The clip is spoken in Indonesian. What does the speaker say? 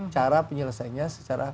cara penyelesaiannya secara